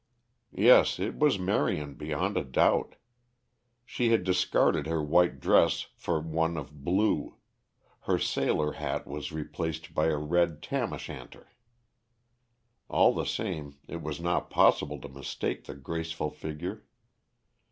Yes, it was Marion beyond a doubt. She had discarded her white dress for one of blue; her sailor hat was replaced by a red tam o' shanter. All the same, it was not possible to mistake the graceful figure.